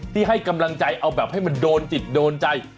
ให้กำลังใจเอาแบบให้มันโดนจิตโดนใจ